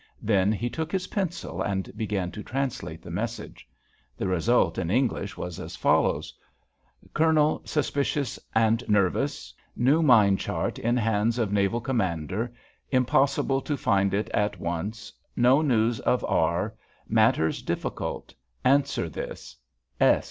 Then he took his pencil and began to translate the message. The result in English was as follows: "_Colonel suspicious and nervous. New mine chart in hands of naval commander; impossible to find it at once. No news of R. Matters difficult. Answer this.